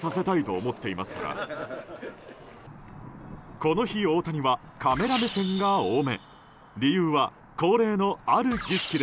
この日大谷はカメラ目線が多め。